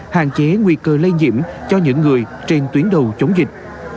hạn chế nguy cơ lây nhiễm cho những người trên tuyến đầu chống dịch